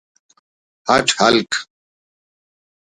اٹ ہلک